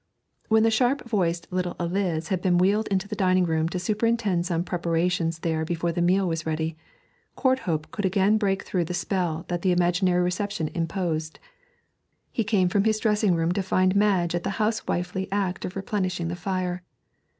When the sharp voiced little Eliz had been wheeled into the dining room to superintend some preparations there before the meal was ready, Courthope could again break through the spell that the imaginary reception imposed. He came from his dressing room to find Madge at the housewifely act of replenishing the fire.